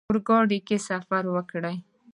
اورګاډي کې سفر وکړ.